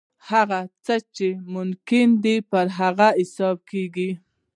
هغه څه چې ممکن دي پر هغه حساب کېږي.